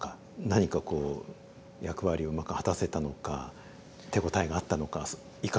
何かこう役割をうまく果たせたのか手応えがあったのかいかがでしたか？